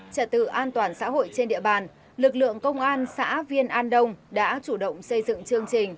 trả tự an toàn xã hội trên địa bàn lực lượng công an xã viên an đông đã chủ động xây dựng chương trình